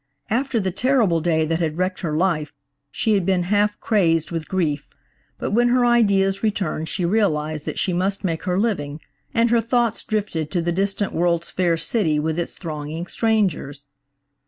After the terrible day that had wrecked her life, she had been half crazed with grief, but when her ideas returned she realized that she must make her living, and her thoughts drifted to the distant World's Fair city with its thronging strangers.